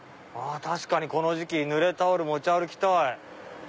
確かにこの時期濡れタオル持ち歩きたい。